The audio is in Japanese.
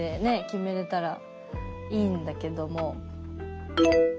決めれたらいいんだけども。